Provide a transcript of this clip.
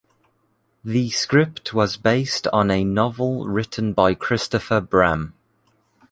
The script was based on a novel written by Christopher Bram.